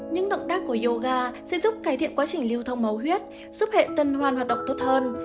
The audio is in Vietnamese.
những động tác của yoga sẽ giúp cải thiện quá trình lưu thông máu huyết giúp hệ tân hoan hoạt động tốt hơn